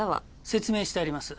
説明してあります